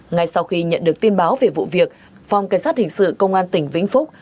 ngay sau khi nhận được tin báo về vụ việc phòng cảnh sát hình sự công an tỉnh vĩnh phúc